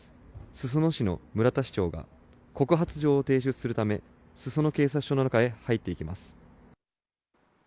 裾野市の村田市長が、告発状を提出するため、裾野警察署の中へ入っていきます。